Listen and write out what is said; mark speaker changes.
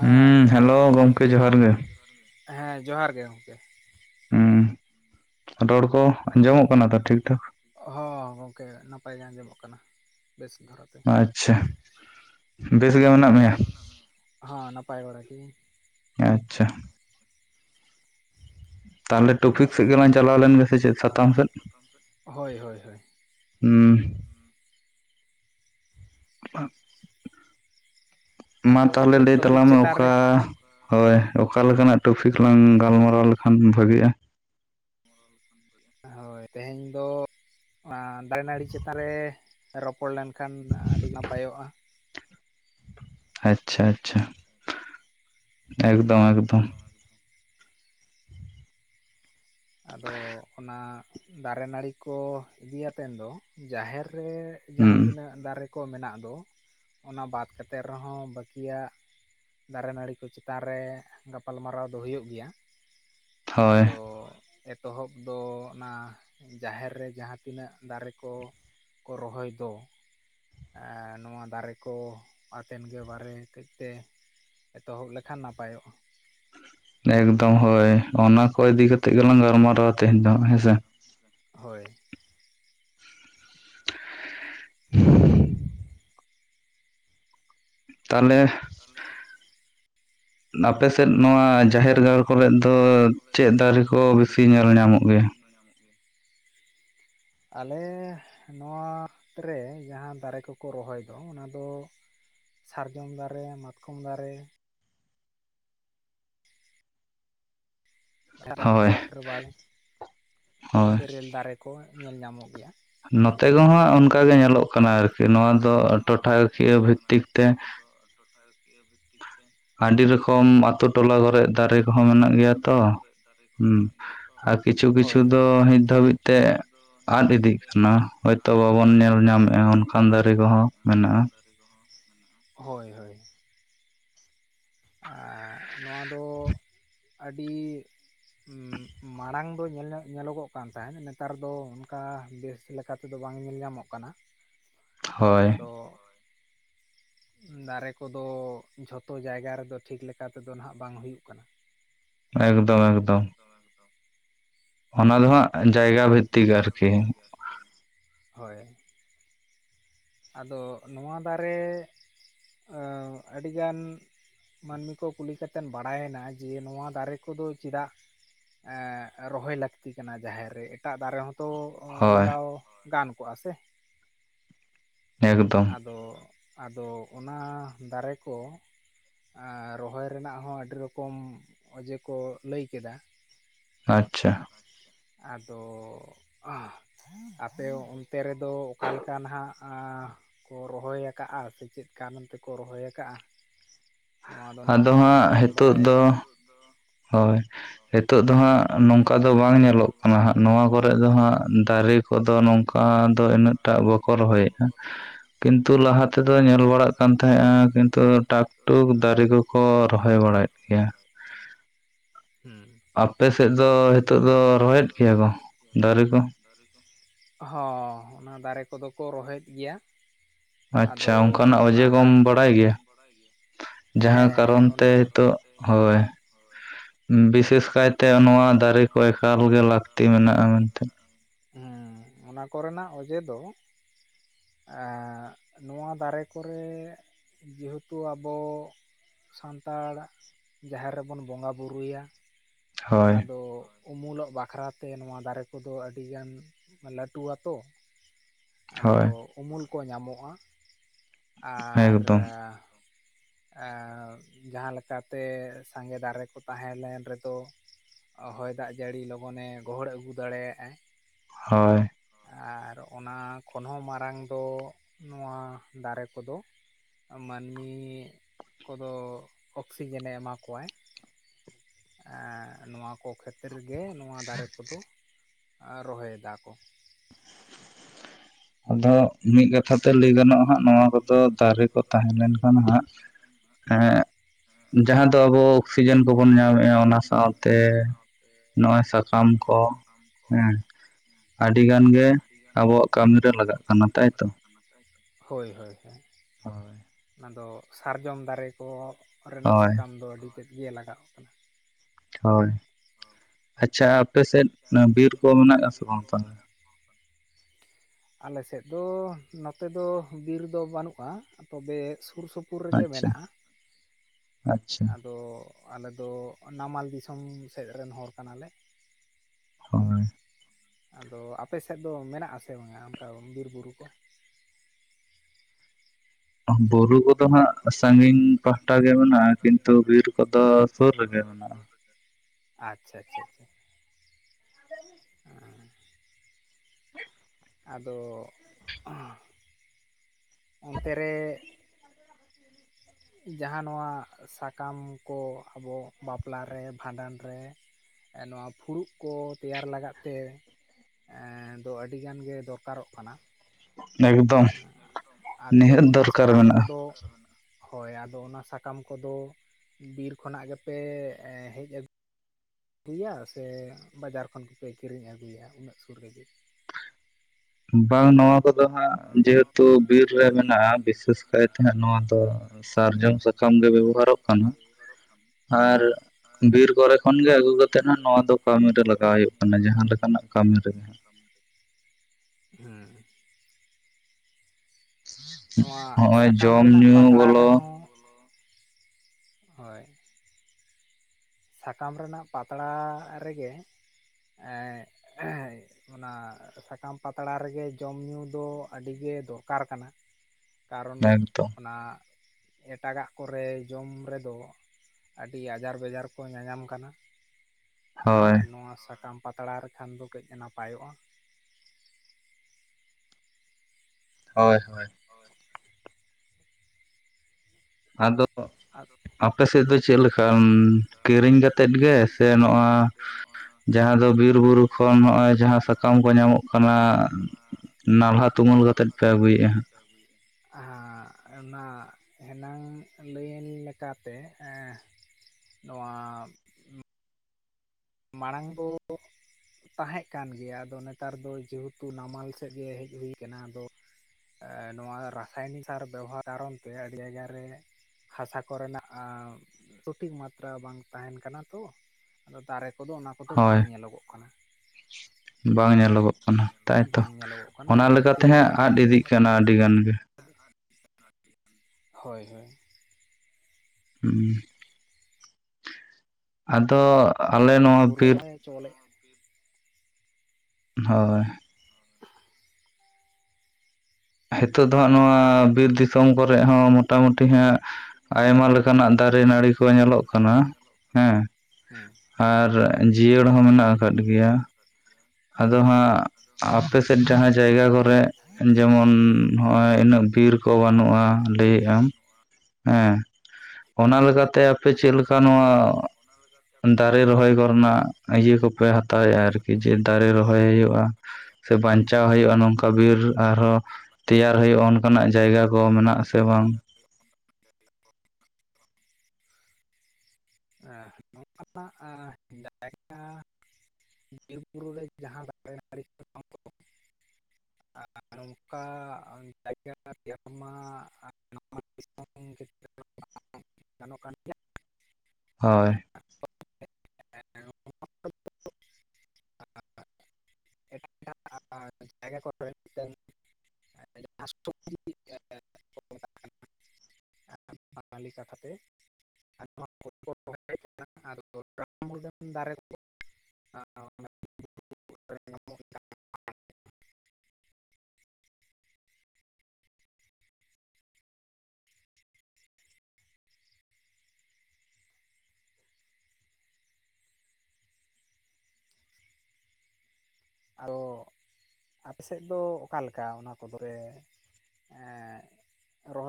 Speaker 1: ᱦᱩᱸ ᱦᱮᱞᱳ ᱜᱚᱢᱠᱮ ᱡᱚᱦᱟᱨ ᱜᱮ᱾
Speaker 2: ᱦᱮᱸ ᱡᱚᱦᱟᱨ ᱜᱮ ᱜᱚᱝᱠᱮ᱾
Speaker 1: ᱦᱩᱸ ᱨᱚᱲ ᱠᱚ᱾
Speaker 2: ᱨᱚᱲ ᱠᱚ ᱟᱸᱡᱚᱢᱚᱜ ᱠᱟᱱᱟ ᱛᱚ ᱦᱚᱸ ᱜᱚᱝᱠᱮ ᱱᱟᱯᱟᱭ ᱜᱮ ᱟᱸᱡᱚᱢᱚᱜ ᱠᱟᱱᱟ ᱵᱮᱥ ᱫᱷᱚᱨᱟ᱾
Speaker 1: ᱟᱪᱪᱷᱟ ᱵᱮᱥ ᱜᱮ ᱢᱮᱱᱟᱜ ᱢᱮᱭᱟ᱾
Speaker 2: ᱦᱟᱸ ᱱᱟᱯᱟᱭ ᱵᱟᱲᱟ ᱜᱤ᱾
Speaker 1: ᱟᱪᱪᱷᱟ᱾ ᱛᱟᱦᱞᱮ ᱴᱚᱯᱤᱠ ᱥᱮᱜ ᱜᱮᱞᱟᱝ ᱪᱟᱞᱟᱣ ᱞᱮᱱ ᱜᱮ ᱥᱮ ᱪᱮᱫ ᱥᱟᱛᱟᱢ ᱥᱮᱫ᱾ ᱦᱩᱸ ᱾ ᱢᱟ ᱛᱟᱦᱞᱮ ᱞᱟᱹᱭ ᱛᱟᱞᱟᱝ ᱢᱮ ᱚᱠᱟ ᱦᱳᱭ ᱚᱠᱟ ᱞᱮᱠᱟᱱᱟᱜ ᱴᱚᱯᱤᱠ ᱞᱟᱝ ᱜᱟᱞᱢᱟᱨᱟᱣ ᱞᱮᱠᱷᱟᱱ ᱵᱷᱟᱜᱤᱜᱼᱟ? [inaudible]
Speaker 2: ᱦᱳᱭ ᱛᱮᱦᱮᱧ ᱫᱚ ᱟᱸ ᱫᱟᱨᱮ ᱱᱟᱹᱲᱤ ᱪᱮᱛᱟᱱ ᱨᱮ ᱨᱚᱯᱚᱲ ᱞᱮᱱᱠᱷᱟᱱ ᱟᱹᱰᱤ ᱱᱟᱯᱟᱭᱚᱜᱼᱟ ᱾
Speaker 1: ᱟᱪᱪᱷᱟ ᱟᱪᱪᱷᱟ ᱮᱠᱫᱚᱢ ᱮᱠᱫᱚᱢ ᱾
Speaker 2: [unintelligible] ᱟᱫᱚ ᱚᱱᱟ ᱫᱟᱨᱮ ᱱᱟᱹᱲᱤ ᱠᱚ ᱤᱫᱤ ᱠᱟᱛᱮᱱ ᱫᱚ ᱡᱟᱦᱮᱨ ᱨᱮ ᱡᱟᱦᱟᱸ ᱛᱤᱱᱟᱹᱜ ᱫᱟᱨᱮ ᱠᱚ ᱢᱮᱱᱟᱜ ᱫᱚ ᱚᱱᱟ ᱵᱟᱫᱽ ᱠᱟᱛᱮᱫ ᱨᱮᱦᱚᱸ ᱵᱟᱹᱠᱤᱭᱟᱜ ᱫᱟᱨᱮ ᱱᱟᱹᱲᱤ ᱠᱚ ᱪᱮᱛᱟᱱ ᱨᱮ ᱜᱟᱯᱟᱞᱢᱟᱨᱟᱣ ᱫᱚ ᱦᱩᱭᱩᱜ ᱜᱮᱭᱟ ᱟᱫᱚ ᱮᱛᱚᱦᱚᱵ ᱫᱚ ᱚᱱᱟ ᱡᱟᱦᱮᱨ ᱨᱮ ᱡᱟᱦᱟᱸ ᱛᱤᱱᱟᱹᱜ ᱫᱟᱨᱮ ᱠᱚ ᱠᱚ ᱨᱚᱦᱚᱭ ᱫᱚ ᱮᱸ ᱱᱚᱣᱟ ᱫᱟᱨᱮ ᱠᱚ ᱟᱛᱮᱱ ᱜᱮ ᱵᱟᱨᱮ ᱠᱟᱹᱡ ᱛᱮ ᱮᱛᱚᱦᱚᱵ ᱞᱮᱠᱷᱟᱱ ᱱᱟᱯᱟᱭᱚᱜᱼᱟ ᱾
Speaker 1: ᱮᱠᱫᱚᱢ ᱦᱳᱭ ᱚᱱᱟ ᱠᱚ ᱤᱫᱤ ᱠᱟᱛᱮᱫ ᱜᱮᱞᱟᱝ ᱜᱟᱞᱢᱟᱨᱟᱣᱟ ᱛᱮᱦᱮᱧ ᱫᱚ ᱦᱮᱸᱥᱮ ᱾
Speaker 2: ᱦᱳᱭ ᱾
Speaker 1: [unintelligible] ᱛᱟᱦᱞᱮ
Speaker 2: ᱛᱟᱦᱞᱮ
Speaker 1: ᱟᱯᱮ ᱥᱮᱫ ᱱᱚᱣᱟ ᱡᱟᱦᱮᱨ ᱜᱟᱲ ᱠᱚᱨᱮᱫ ᱫᱚ ᱪᱮᱫ ᱫᱟᱨᱮ ᱠᱚ ᱵᱮᱥᱤ ᱧᱮᱞ ᱧᱟᱢᱚᱜ ᱜᱮᱭᱟ?
Speaker 2: ᱧᱮᱞ ᱧᱟᱢᱚᱜ ᱜᱮᱭᱟ ᱾
Speaker 1: [inaudible]
Speaker 2: ᱟᱞᱮ ᱱᱚᱣᱟ ᱠᱷᱮᱛ ᱨᱮ ᱡᱟᱦᱟᱸ ᱫᱟᱨᱮ ᱠᱚᱠᱚ ᱨᱚᱦᱚᱭ ᱫᱚ ᱚᱱᱟ ᱫᱚ ᱥᱟᱨᱡᱚᱢ ᱫᱟᱨᱮ, ᱢᱟᱛᱠᱚᱢ ᱫᱟᱨᱮ [unintelligible] ᱯᱮᱴᱮᱨ ᱵᱟᱲᱮ ᱛᱤᱨᱤᱹᱞ ᱫᱟᱨᱮ ᱠᱚ ᱧᱮᱞ ᱧᱟᱢᱚᱜ ᱜᱮᱭᱟ ᱾
Speaker 1: ᱱᱚᱛᱮ ᱫᱚ ᱦᱟᱸᱜ ᱚᱱᱠᱟᱜ ᱜᱮ ᱧᱮᱞᱚᱜ ᱠᱟᱱᱟ ᱟᱨᱠᱤ
Speaker 2: ᱱᱚᱛᱮ ᱫᱚ ᱦᱟᱸᱜ ᱚᱱᱠᱟ ᱜᱮ ᱧᱮᱞᱚᱜ ᱠᱟᱱᱟ ᱟᱨᱠᱤ ᱱᱚᱣᱟ ᱫᱚ ᱴᱚᱴᱷᱟ ᱠᱤᱭᱟᱹ ᱵᱷᱤᱛᱤᱨ ᱛᱮ
Speaker 1: ᱟᱹᱰᱤ ᱨᱚᱠᱚᱢ ᱟᱹᱛᱩ ᱴᱚᱞᱟ ᱠᱚᱨᱮ
Speaker 2: ᱟᱹᱰᱤ ᱨᱚᱠᱚᱢ ᱟᱹᱛᱩ ᱴᱚᱞᱟ ᱠᱚᱨᱮ ᱫᱟᱨᱮ ᱠᱚᱦᱚᱸ ᱢᱮᱱᱟᱜ ᱜᱮᱭᱟ ᱛᱚ ᱾ ᱦᱳᱭ ᱦᱳᱭ ᱦᱳᱭ ᱾
Speaker 1: ᱱᱤᱛ ᱫᱷᱟᱹᱵᱤᱡ ᱛᱮ ᱟᱫ ᱤᱫᱤᱜ ᱠᱟᱱᱟ ᱦᱚᱭᱛᱳ ᱵᱟᱵᱚᱱ ᱧᱮᱞ ᱧᱟᱢᱮᱫᱼᱟ ᱚᱱᱠᱟᱱ ᱫᱟᱨᱮ ᱠᱚᱦᱚᱸ ᱾
Speaker 2: ᱚᱱᱠᱟᱱ ᱫᱟᱨᱮ ᱠᱚᱦᱚᱸ ᱢᱮᱱᱟᱜᱼᱟ, ᱦᱳᱭ ᱦᱳᱭ ᱾ ᱟᱸᱜ ᱱᱚᱣᱟ ᱫᱚ ᱟᱹᱰᱤ ᱢᱢ ᱢᱟᱲᱟᱝ ᱫᱚ ᱧᱮᱞ ᱧᱮᱞᱚᱜᱚᱜ ᱠᱟᱱ ᱛᱟᱦᱮᱸᱫ ᱱᱮᱛᱟᱨ ᱫᱚ ᱚᱱᱠᱟ ᱵᱮᱥ ᱞᱮᱠᱟ ᱛᱮᱫᱚ ᱵᱟᱝ ᱧᱮᱞ ᱧᱟᱢᱚᱜ ᱠᱟᱱᱟ
Speaker 1: [inaudible]
Speaker 2: ᱟᱫᱚ ᱦᱳᱭ ᱫᱟᱨᱮ ᱠᱚᱫᱚ ᱡᱚᱛᱚ ᱡᱟᱭᱜᱟ ᱨᱮ ᱫᱚ ᱴᱷᱤᱠ ᱞᱮᱠᱟᱛᱮᱫᱚ ᱱᱟᱦᱟᱜ ᱵᱟᱝ ᱦᱩᱭᱩᱜ ᱠᱟᱱᱟ ᱾
Speaker 1: ᱮᱠᱫᱚᱢ ᱮᱠᱫᱚᱢ ᱾
Speaker 2: ᱮᱠᱫᱚᱢ ᱮᱠᱫᱚᱢ ᱾
Speaker 1: ᱚᱱᱟ ᱫᱚ ᱦᱟᱸᱜ ᱡᱟᱭᱜᱟ ᱵᱷᱤᱛᱤᱠ ᱟᱨᱠᱤ ᱾
Speaker 2: ᱦᱳᱭ ᱾ ᱟᱫᱚ ᱱᱚᱣᱟ ᱫᱟᱨᱮ ᱟᱸ ᱟᱹᱰᱤᱜᱟᱱ ᱢᱟᱹᱱᱢᱤ ᱠᱚ ᱠᱩᱞᱤ ᱠᱟᱛᱮ ᱵᱟᱲᱟᱭᱮᱱᱟ ᱡᱮ ᱱᱚᱣᱟ ᱫᱟᱨᱮ ᱠᱚᱫᱚ ᱪᱮᱫᱟᱜ ᱮ ᱨᱚᱦᱚᱭ ᱞᱟᱹᱠᱛᱤ ᱠᱟᱱᱟ ᱡᱟᱦᱮᱨ ᱨᱮ ᱮᱴᱟᱜ ᱫᱟᱨᱮ ᱦᱚᱸᱛᱚ᱾ ᱦᱚᱸ ᱞᱟᱜᱟᱣ ᱜᱟᱱ ᱠᱚᱜᱼᱟ ᱥᱮ᱾ ᱟᱫᱚ ᱟᱫᱚ ᱚᱱᱟ ᱫᱟᱨᱮ ᱠᱚ ᱟᱨ ᱨᱚᱦᱚᱭ ᱨᱮᱱᱟᱜ ᱦᱚᱸ ᱟᱹᱰᱤ ᱨᱚᱠᱚᱢ ᱚᱡᱮ ᱠᱚ ᱞᱟᱹᱭ ᱠᱮᱫᱟ᱾
Speaker 1: ᱟᱪᱪᱷᱟ᱾
Speaker 2: ᱟᱪᱪᱷᱟ, ᱟᱫᱚ ᱟᱦ, ᱟᱯᱮ ᱚᱱᱛᱮ ᱨᱮᱫᱚ ᱚᱠᱟᱞᱮᱠᱟ ᱱᱟᱦᱟᱜ? ᱟ ᱠᱚ ᱨᱚᱦᱚᱭ ᱟᱠᱟᱜᱼᱟ, ᱥᱮ ᱪᱮᱫ ᱠᱟᱱᱚᱱᱛᱮ ᱠᱚ ᱨᱚᱦᱚᱭ ᱟᱠᱟᱟᱜᱼᱟ? ᱱᱚᱣᱟ ᱫᱚ ᱱᱟᱦᱟᱜ ᱟ ᱵᱟᱝ ᱵᱟᱲᱟᱭ ᱟᱠᱟᱱᱟ, ᱱᱤᱛᱚᱜ ᱫᱚ
Speaker 1: ᱦᱳᱭ ᱱᱤᱛᱚᱜ ᱫᱚ ᱦᱟᱸᱜ ᱱᱚᱝᱠᱟ ᱫᱚ ᱵᱟᱝ ᱧᱮᱞᱚᱜ ᱠᱟᱱᱟ ᱦᱟᱸᱜ ᱱᱚᱣᱟ ᱠᱚᱨᱮ ᱫᱚ ᱦᱟᱸᱜ ᱫᱟᱨᱮ ᱠᱚᱫᱚ ᱱᱚᱝᱠᱟ ᱫᱚ ᱤᱱᱟᱹᱜᱴᱟᱜ ᱵᱟᱠᱚ ᱨᱚ ᱨᱚᱦᱚᱭᱮᱜᱼᱟ ᱠᱤᱱᱛᱩ ᱞᱟᱦᱟ ᱛᱮᱫᱚ ᱧᱮᱞ ᱵᱟᱲᱟᱜ ᱠᱟᱱ ᱛᱟᱦᱮᱸᱫᱼᱟ ᱠᱤᱱᱛᱩ ᱴᱟᱠ ᱴᱩᱠ ᱫᱟᱨᱮ ᱠᱚᱠᱚ ᱨᱚᱦᱚᱭ ᱵᱟᱲᱟᱭᱮᱫ ᱜᱮᱭᱟ᱾ ᱟᱯᱮ ᱥᱮᱫ ᱫᱚ ᱦᱤᱛᱳᱜ ᱫᱚ ᱨᱚᱦᱚᱭᱮᱫ ᱜᱮᱭᱟ ᱠᱚ ᱫᱟᱨᱮ ᱠᱚ
Speaker 2: ᱦᱚᱸ ᱫᱟᱨᱮ ᱠᱚ ᱦᱚᱸ ᱚᱱᱟ ᱫᱟᱨᱮ ᱠᱚᱫᱚ ᱠᱚ ᱨᱚᱦᱮᱫ ᱜᱮᱭᱟ᱾
Speaker 1: ᱟᱪᱪᱷᱟ ᱚᱱᱠᱟᱱᱟᱜ ᱚᱡᱮ ᱠᱚᱢ ᱵᱟᱲᱟᱭ ᱜᱮᱭᱟ ᱡᱟᱦᱟᱸ ᱠᱟᱨᱚᱱ ᱛᱮ ᱦᱤᱛᱚᱜ ᱦᱳᱭ ᱵᱤᱥ ᱵᱤᱥ ᱠᱟᱭᱛᱮ ᱱᱚᱣᱟ ᱫᱟᱨᱮ ᱠᱚ ᱮᱠᱟᱞᱜᱮ ᱞᱟᱹᱠᱛᱤ ᱢᱮᱱᱟᱜᱼᱟ ᱢᱮᱱᱛᱮ᱾
Speaker 2: ᱦᱮᱸ ᱚᱱᱟ ᱠᱚᱨᱮᱱᱟᱜ ᱚᱡᱮ ᱫᱚ᱾ ᱟᱜ ᱱᱚᱣᱟ ᱫᱟᱨᱮ ᱠᱚᱨᱮ ᱡᱮᱦᱮᱛᱩ ᱟᱵᱚ᱾ ᱥᱟᱱᱛᱟᱲ ᱡᱟᱦᱮᱨ ᱨᱮᱵᱚᱱ ᱵᱚᱸᱜᱟ ᱵᱩᱨᱩᱭᱟ ᱟᱫᱚ ᱩᱢᱩᱞᱚᱜ ᱵᱟᱠᱷᱨᱟ ᱛᱮ ᱱᱚᱣᱟ ᱫᱟᱨᱮ ᱠᱚᱫᱚ ᱟᱹᱰᱤ ᱜᱟᱱ ᱞᱟᱹᱴᱩ ᱟᱛᱚ᱾ ᱟᱫᱚ ᱩᱢᱩᱞ ᱠᱚ ᱧᱟᱢᱚᱜᱼᱟ ᱟᱨ ᱮ ᱡᱟᱦᱟᱸ ᱞᱮᱠᱟᱛᱮ ᱥᱟᱸᱜᱮ ᱫᱟᱨᱮ ᱠᱚ ᱛᱟᱦᱮᱸ ᱞᱮᱱ ᱨᱮ᱾ ᱛᱚ ᱦᱚᱭ ᱫᱟᱜ ᱡᱟᱹᱲᱤ ᱞᱚᱜᱚᱱᱮ ᱜᱚᱦᱚᱲ ᱟᱹᱜᱩ ᱫᱟᱲᱮᱭᱟᱜᱼᱟᱭ᱾
Speaker 1: ᱦᱳᱭ
Speaker 2: ᱟᱨ ᱚᱱᱟ ᱠᱷᱚᱱ ᱦᱚᱸ ᱢᱟᱨᱟᱝ ᱫᱚ ᱱᱚᱣᱟ ᱫᱟᱨᱮ ᱠᱚᱫᱚ᱾ ᱢᱟᱹᱱᱢᱤ ᱠᱚᱫᱚ ᱚᱠᱥᱤᱡᱮᱱᱮ ᱮᱢᱟ ᱠᱚᱣᱟᱭ ᱮ ᱱᱚᱣᱟ ᱠᱚ ᱠᱷᱟᱹᱛᱤᱨ ᱜᱮ ᱱᱚᱣᱟ ᱫᱟᱨᱮ ᱠᱚᱫᱚ ᱨᱚᱦᱚᱭ ᱮᱫᱟᱠᱚ
Speaker 1: ᱟᱫᱚᱜ ᱢᱤᱫ ᱠᱟᱛᱷᱟ ᱛᱮ ᱞᱟᱹᱭ ᱜᱟᱱᱚᱜ ᱦᱟᱸᱜ ᱱᱚᱣᱟ ᱠᱚᱫᱚ ᱫᱟᱨᱮ ᱠᱚ ᱛᱟᱦᱮᱸ ᱞᱮᱱᱠᱷᱟᱱ ᱦᱟᱸᱜ ᱮᱸ ᱡᱟᱦᱟᱸ ᱫᱚ ᱟᱵᱚ ᱳᱠᱥᱤᱡᱮᱱ ᱠᱚᱵᱚᱱ ᱧᱟᱢᱮᱜᱼᱟ ᱚᱱᱟ ᱥᱟᱶᱛᱮ ᱱᱚᱜᱼᱚᱭ ᱥᱟ ᱥᱟᱢ ᱠᱚ ᱦᱮᱸ ᱟᱹᱰᱤ ᱜᱟᱱ ᱜᱮ ᱟᱵᱚᱣᱟᱜ ᱠᱟᱹᱢᱤ, ᱞᱟᱜᱟᱜ ᱠᱟᱱᱟ ᱛᱟᱭ ᱛᱚ ᱾
Speaker 2: ᱦᱳᱭ ᱦᱳᱭ ᱦᱳᱭ ᱾
Speaker 1: ᱦᱳᱭ ᱾
Speaker 2: ᱚᱱᱟ ᱫᱚ ᱥᱟᱨᱡᱚᱢ ᱫᱟᱨᱮ ᱠᱚ ᱨᱮᱱᱟᱜ ᱥᱟᱠᱟᱢ ᱫᱚ ᱟᱹᱰᱤ ᱛᱮᱫ ᱜᱮ ᱞᱟᱜᱟᱣᱚᱜ ᱠᱟᱱᱟ ᱾
Speaker 1: ᱦᱳᱭ, ᱟᱪᱪᱷᱟ ᱟᱯᱮ ᱥᱮᱫ ᱵᱤᱨ ᱠᱚ ᱢᱮᱱᱟᱜ ᱟᱥᱮ ᱵᱟᱝᱟ ᱛᱟᱦᱞᱮ ᱾ [unintelligible]
Speaker 2: ᱟᱞᱮ ᱥᱮᱫ ᱫᱚ ᱱᱚᱛᱮ ᱫᱚ ᱵᱤᱨ ᱫᱚ ᱵᱟᱹᱱᱩᱜᱼᱟ, ᱛᱚᱵᱮ ᱥᱩᱨ ᱥᱩᱯ ᱯᱩᱨ ᱨᱮᱜᱮ ᱢᱮᱱᱟᱜᱼᱟ ᱾ ᱫᱚ ᱟᱞᱮᱫᱚ ᱱᱟᱢᱟᱞ ᱫᱤᱥᱚᱢ ᱥᱮᱜ ᱨᱮᱱ ᱦᱚᱲ ᱠᱟᱱᱟᱞᱮ ᱾
Speaker 1: ᱦᱳᱭ ᱾
Speaker 2: ᱟᱫᱚ ᱟᱯᱮ ᱥᱮᱫ ᱫᱚ ᱢᱮᱱᱟᱜ ᱟᱥᱮ ᱵᱟᱝᱟ ᱚᱱᱠᱟ ᱵᱤᱨ ᱵᱩᱨᱩ ᱠᱚ ᱾
Speaker 1: ᱚᱦᱚ ᱵᱩᱨᱩ ᱠᱚ ᱫᱚ ᱦᱟᱸᱜ ᱥᱟᱺᱜᱤᱧ ᱯᱟᱦᱴᱟ ᱜᱮ ᱢᱮᱱᱟᱜᱼᱟ ᱠᱤᱱᱛᱩ ᱵᱤᱨ ᱠᱚᱫᱚ ᱥᱩᱨ ᱨᱮᱜᱮ ᱢᱮᱱᱟᱜᱼᱟ᱾
Speaker 2: [inaudible] ᱟᱪᱪᱷᱟ, ᱟᱪᱪᱷᱟᱷᱟ, ᱟᱪᱪᱷᱟᱷᱟ ᱮᱸ ᱟᱫᱚ ᱚᱸᱦ ᱚᱱᱛᱮ ᱨᱮᱼᱼ ᱡᱟᱦᱟᱸ ᱱᱚᱣᱟ ᱥᱟᱠᱟᱢ ᱠᱚ ᱟᱵᱚ ᱵᱟᱯᱞᱟᱟᱨᱮ ᱵᱷᱟᱸᱰᱟᱱ ᱨᱮᱼᱼ ᱟᱸ ᱱᱚᱣᱟ ᱯᱷᱩᱲᱩᱜ ᱠᱚ ᱛᱮᱭᱟᱨ ᱞᱟᱜᱟᱫ ᱛᱮ ᱮᱸ ᱫᱚ ᱟᱹᱰᱤᱜᱟᱱ ᱜᱮ ᱫᱚᱨᱠᱟᱨᱚᱜ ᱠᱟᱱᱟ᱾ ᱟᱸ ᱟᱫᱚ ᱚᱱᱟ ᱥᱟᱠᱟᱢ ᱠᱚᱫᱚᱼᱼ ᱦᱳᱭ ᱟᱫᱚ ᱚᱱᱟ ᱥᱟᱠᱟᱢ ᱠᱚᱫᱚ ᱵᱤᱨ ᱠᱷᱚᱱᱟᱜ ᱜᱮᱯᱮ ᱮᱸ ᱦᱮᱡ ᱟᱹᱼᱼ ᱜᱩᱭᱟ ᱥᱮ ᱵᱟᱡᱟᱨ ᱠᱷᱚᱱ ᱜᱮᱯᱮ ᱠᱤᱨᱤᱧ ᱟᱹᱜᱩᱭᱟ ᱩᱱᱟᱹᱜ ᱥᱩᱨ ᱨᱮᱜᱮᱼᱼ
Speaker 1: ᱵᱟᱝ ᱱᱚᱣᱟ ᱠᱚᱫᱚ ᱦᱟᱸᱜ ᱡᱮᱦᱮᱛᱩ ᱵᱤᱨ ᱨᱮ ᱢᱮᱱᱟᱜᱼᱟ ᱵᱤᱥᱮᱥ ᱠᱟᱭᱛᱮ ᱦᱟᱸᱜ ᱱᱚᱣᱟ ᱫᱚ ᱥᱟᱨᱡᱚᱢ ᱥᱟ ᱠᱟᱢ ᱜᱮ ᱵᱮᱵᱚ ᱦᱟᱨᱚᱜ ᱠᱟᱱᱟ ᱟᱨ ᱵᱤᱨ ᱠᱚᱨᱮ ᱠᱷᱚᱱ ᱜᱮ ᱟᱹᱜᱩ ᱠᱟᱛᱮ ᱦᱟᱸᱜ ᱱᱚᱣᱟ ᱫᱚ ᱠᱟᱹᱢᱤᱨᱮ ᱞᱟᱜᱟᱣ ᱦᱩᱭᱩᱜ ᱠᱟᱱᱟ ᱡᱟᱦᱟᱸ ᱞᱮᱠᱟᱱᱟᱜ ᱠᱟᱹᱢᱤ ᱨᱮᱜᱮ᱾
Speaker 2: ᱦᱩᱸᱢ
Speaker 1: ᱦᱚᱸᱜᱼᱚᱭ ᱡᱚᱢ ᱧᱩ ᱵᱚᱞᱚᱼᱼ
Speaker 2: ᱦᱳᱭ ᱾ ᱥᱟᱠᱟᱢ ᱨᱮᱱᱟᱜ ᱯᱟᱛᱲᱟ ᱨᱮᱜᱮ ᱮᱸᱻ ᱚᱱᱟ ᱥᱟᱠᱟᱢ ᱯᱟᱛᱲᱟ ᱨᱮᱜᱮ ᱡᱚᱢ ᱧᱩ ᱫᱚ ᱟᱹᱰᱤᱜᱮ ᱫᱚᱨᱠᱟᱨ ᱠᱟᱱᱟ᱾ ᱠᱟᱨᱚᱱ ᱚᱱᱟ, ᱮᱴᱟᱜᱟᱜ ᱠᱚᱨᱮ ᱡᱚᱢ ᱨᱮᱫᱚ ᱟᱹᱰᱤ ᱟᱡᱟᱨ ᱵᱮᱡᱟᱨᱼᱼ ᱠᱚ ᱧᱟᱧᱟᱢ ᱠᱟᱱᱟ ᱟᱨ ᱱᱚᱣᱟ ᱥᱟᱠᱟᱢ ᱯᱟᱛᱲᱟ ᱨᱮᱠᱷᱟᱱ ᱫᱚ ᱠᱟᱹᱡ ᱱᱟᱯᱟᱭᱚᱜᱼᱟ᱾
Speaker 1: ᱦᱳᱭ ᱦᱳᱭ᱾
Speaker 2: ᱦᱳᱭ᱾
Speaker 1: ᱟᱫᱚᱼᱼ
Speaker 2: ᱟᱫ
Speaker 1: ᱟᱯᱮ ᱥᱮᱫ ᱫᱚ ᱪᱮᱫ ᱞᱮᱠᱟᱱ ᱠᱤᱨᱤᱧ ᱠᱟᱛᱮᱫ ᱜᱮ ᱥᱮ ᱱᱚᱣᱟᱼᱼ ᱡᱟᱦᱟᱸ ᱫᱚ ᱵᱤᱨ ᱵᱩᱨᱩ ᱠᱷᱚᱱ ᱱᱚᱜᱼᱚᱭ ᱡᱟᱦᱟᱸ ᱥᱟᱠᱟᱢ ᱠᱚ ᱧᱟᱢᱚᱜ ᱠᱟᱱᱟ᱾ ᱱᱟᱞᱦᱟ ᱛᱩᱢᱟᱹᱞ ᱠᱟᱛᱮᱫ ᱯᱮ ᱟᱹᱜᱩᱭᱮ ᱼ ᱟ ᱦᱟᱸᱜ᱾
Speaker 2: [inaudible] ᱦᱟᱸᱜ ᱚᱱᱟ ᱦᱮᱱᱟᱹᱝ ᱞᱟᱹᱭᱮᱱ ᱞᱮᱠᱟᱛᱮ ᱮᱸ ᱱᱚᱣᱟ ᱢᱟᱲᱟᱝ ᱫᱚᱼᱼ ᱛᱟᱦᱮᱸᱜ ᱠᱟᱱ ᱜᱮᱭᱟ ᱟᱫᱚ ᱱᱮᱛᱟᱨ ᱫᱚ ᱡᱮᱦᱩᱛᱩ ᱱᱟᱢᱟᱞ ᱥᱮᱫ ᱜᱮ ᱦᱮᱡ ᱦᱩᱭ ᱟᱠᱟᱱᱟ ᱟᱫᱚᱼᱼ ᱮ ᱱᱚᱣᱟ ᱨᱟᱥᱟᱭᱱᱤᱠ ᱥᱟᱨ ᱵᱮᱵᱚᱦᱟᱨ ᱟᱨᱚ ᱚᱱᱛᱮ ᱟᱹᱰᱤ ᱡᱟᱭᱜᱟ ᱨᱮᱼᱼ ᱦᱟᱥᱟ ᱠᱚᱨᱮᱱᱟᱜ ᱥᱚᱴᱷᱤᱠ ᱢᱟᱛᱨᱟ ᱵᱟᱝ ᱛᱟᱦᱮᱱ ᱠᱟᱱᱟ ᱛᱚ, ᱟᱫᱚ ᱫᱟᱨᱮ ᱠᱚᱫᱚ ᱚᱱᱟ ᱠᱚᱫᱚ ᱵᱟᱝ ᱧᱮᱞᱚ ᱜᱚᱜ ᱠᱟᱱᱟ᱾
Speaker 1: [inaudible] ᱵᱟᱝ ᱧᱮᱞᱚ ᱜᱚᱜ ᱠᱟᱱᱟ ᱛᱟᱭᱛᱚ, ᱚᱱᱟ ᱞᱮᱠᱟᱛᱮ ᱦᱟᱸᱜ ᱟᱫᱽ ᱤᱫᱤᱜ ᱠᱟᱱᱟ ᱟᱰᱤ ᱜᱟᱱ ᱜᱮ᱾
Speaker 2: ᱦᱳᱭ ᱦᱳᱭ᱾
Speaker 1: ᱦᱩᱢ ᱟᱫᱚᱼᱼ ᱟᱞᱮ ᱱᱚᱣᱟᱼᱼ
Speaker 2: ᱦᱩᱲᱩ ᱠᱚᱦᱚᱸ ᱦᱮᱸ ᱪᱚ ᱞᱮ
Speaker 1: ᱦᱳᱭ
Speaker 2: [inaudible] ᱱᱤᱛᱳᱜ ᱫᱚ ᱦᱟᱸᱜ ᱱᱚᱣᱟ ᱵᱤᱨ ᱫᱤᱥᱚᱢ ᱠᱚᱨᱮᱜ ᱦᱚᱸ ᱢᱚᱴᱟᱢᱩᱴᱤ ᱦᱟᱸᱜ ᱟᱭᱢᱟ ᱞᱮᱠᱟᱱᱟᱜ ᱫᱟᱨᱮ ᱱᱟᱹᱲᱤ ᱠᱚ ᱧᱮᱞᱚᱜ ᱠᱟᱱᱟ ᱦᱮᱸ
Speaker 1: ᱟᱨ ᱡᱤᱭᱟᱹᱲ ᱦᱚᱸ ᱢᱮᱱᱟᱜ ᱠᱟᱫ ᱜᱮᱭᱟ᱾ ᱟᱫᱚ ᱦᱟᱸᱜ ᱟᱯᱮ ᱥᱮᱫ ᱡᱟᱦᱟᱸ ᱡᱟᱭᱜᱟ ᱠᱚᱨᱮ ᱡᱮᱢᱚᱱ ᱱᱚᱜᱼᱚᱭ ᱤᱱᱟᱹ ᱠᱚ ᱵᱟᱹᱱᱩᱜᱼᱟ ᱞᱟᱹᱭᱮᱜ ᱟᱢ ᱦᱮᱸ ᱾ ᱚᱱᱟ ᱞᱮᱠᱟ ᱛᱮ ᱟᱯᱮ ᱪᱮᱫ ᱞᱮᱠᱟ ᱱᱚᱣᱟ ᱫᱟᱨᱮ ᱨᱚᱦᱚᱭ ᱠᱚᱨᱮ ᱱᱟᱜ ᱤᱭᱟᱹ ᱠᱚᱯᱮ ᱦᱟᱛᱟᱣᱮᱜ-ᱟ ᱟᱨᱠᱤ ᱪᱮᱫ ᱫᱟᱨᱮ ᱨᱚᱦᱚᱭ ᱦᱩᱭᱩᱜᱼᱟ ᱥᱮ ᱵᱟᱧᱪᱟᱣ ᱦᱩᱭᱩᱜᱼᱟ ᱱᱚᱝᱠᱟ ᱵᱤᱨ ᱟᱨᱦᱚᱸ ᱛᱮᱭᱟᱨ ᱦᱩᱭᱩᱜᱼᱟ ᱚᱱᱠᱟ ᱱᱟᱜ ᱡᱟᱭᱜᱟ ᱠᱚ ᱢᱮᱱᱟᱜ ᱥᱮ ᱵᱟᱝ?
Speaker 2: ᱮᱸ ᱱᱚᱝᱠᱟ ᱱᱟᱜ ᱡᱟᱭᱜᱟ ᱵᱤᱨ ᱵᱩᱨᱩ ᱨᱮ ᱡᱟᱦᱟᱸ ᱫᱟᱨᱮ ᱱᱟᱲᱤ ᱚᱱᱟ ᱠᱚᱫᱚ
Speaker 1: [inaudible]
Speaker 2: ᱟᱨ ᱱᱚᱝᱠᱟ ᱡᱟᱭᱜᱟ ᱨᱮᱢᱟ ᱟᱨᱦᱚᱸ ᱜᱟᱱᱚᱜ ᱠᱟᱱ ᱜᱮᱭᱟ ᱮᱸ
Speaker 1: [inaudible]
Speaker 2: [unintelligible] ᱡᱟᱭᱜᱟ ᱠᱚᱨᱮ ᱢᱤᱫᱴᱟᱝ ᱵᱷᱟᱞᱤ ᱠᱟᱴᱷᱟ ᱛᱮ [unintelligible] [unintelligible] ᱟᱫᱚ ᱟᱯᱮ ᱥᱮᱫ ᱫᱚ ᱚᱠᱟ ᱞᱮᱠᱟ ᱚᱱᱟ ᱠᱚ ᱫᱟᱨᱮ ᱮᱸ ᱨᱚᱦᱚᱭ